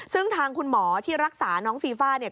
ซึ่งทางคุณหมอที่รักษาน้องฟีฟ่าเนี่ย